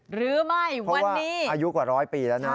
หรือไม่เพราะว่าอายุกว่าร้อยปีแล้วนะ